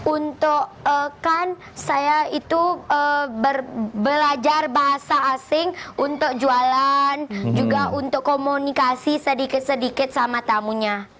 untuk kan saya itu belajar bahasa asing untuk jualan juga untuk komunikasi sedikit sedikit sama tamunya